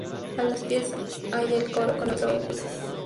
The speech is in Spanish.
A los pies hay el coro con otro óculo.